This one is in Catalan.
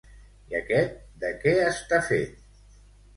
I aquest, de què està fet?